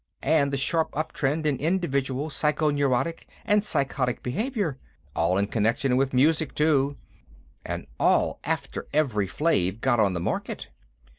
And the sharp uptrend in individual psycho neurotic and psychotic behavior. All in connection with music, too, and all after Evri Flave got on the market."